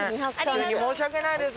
申し訳ないです。